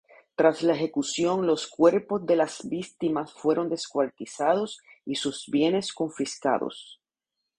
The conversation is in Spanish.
Tras la ejecución los cuerpos de las víctimas fueron descuartizados y sus bienes confiscados.